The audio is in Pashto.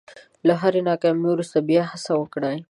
له هرې ناکامۍ وروسته بیا هڅه وکړئ.